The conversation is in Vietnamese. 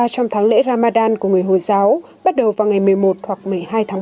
trong tháng lễ ramadan của người hồi giáo bắt đầu vào ngày một mươi một hoặc một mươi hai tháng ba